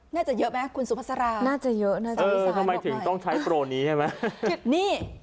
น่าจะเยอะไหมคุณสุภาษาราน่าจะเยอะนะจ๊ะทำไมถึงต้องใช้โปรนี้ใช่ไหม